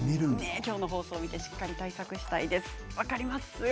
今日の放送を見てしっかり対策したいです。